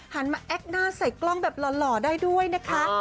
หันมาแอคหน้าใส่กล้องแบบหล่อได้ด้วยนะคะ